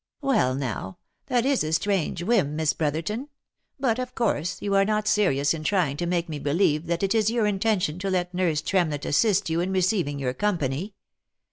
" Well now ! that is a strange whim, Miss Brotherton. But of course, you are not serious in trying to make me believe that it is your intention to let nurse Tremlett assist you in receiving your company.